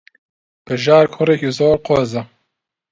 بژار کوڕێکی زۆر قۆزە.